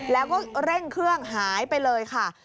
แล้วก็เร่งเครื่องหายไปเลยค่ะ